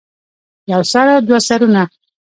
يو سر او دوه سرونه